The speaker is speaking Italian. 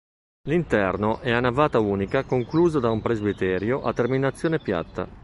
L’interno è a navata unica conclusa da un presbiterio a terminazione piatta.